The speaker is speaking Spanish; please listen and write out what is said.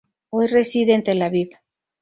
Hoy reside en Tel Aviv.